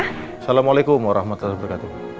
assalamualaikum warahmatullahi wabarakatuh